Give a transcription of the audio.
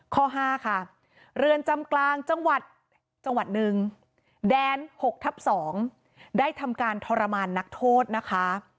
ข้อ๕เรือนจำกลางจังหวัด๑แดน๖ทับ๒ได้ทำการทรมานนักโทษนะคะ